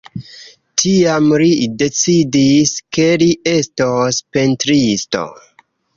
Tiam li decidis, ke li estos pentristo.